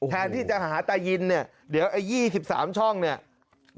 แทนที่จะหาตายินเนี่ยเดี๋ยวไอ้๒๓ช่องเนี่ย